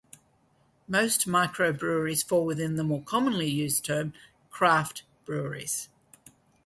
Most microbreweries fall within the more commonly used term "craft breweries".